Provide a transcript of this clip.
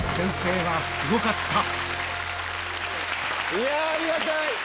いやありがたい！